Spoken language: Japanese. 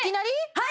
はい！